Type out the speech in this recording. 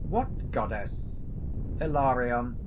"What goddess?" HILARION.